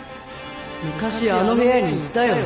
昔あの部屋に行ったよね？